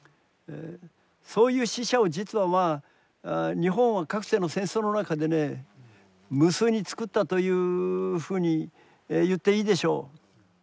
そういう死者を実はまあ日本はかつての戦争の中でね無数につくったというふうに言っていいでしょう。